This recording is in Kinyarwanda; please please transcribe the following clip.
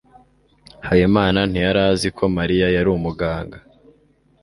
Habimana ntiyari azi ko Mariya yari umuganga.